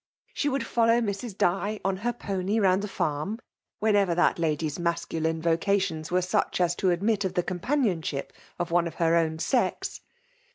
She would follow Mrs. Di on her pony round the farm, whenever that lady*s masculine vocations were such as to admit of the companionship of one of her own sex.